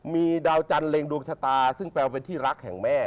มีดาวจันทร์เล็งดวงชะตาซึ่งแปลว่าเป็นที่รักแห่งแม่